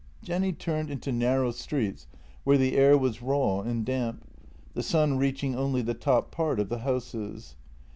Jenny turned into narrow streets where the air was raw and damp, the sun reaching only the top part of the houses.